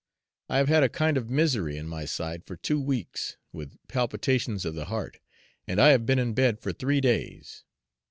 I have had a kind of misery in my side for two weeks, with palpitations of the heart, and I have been in bed for three days.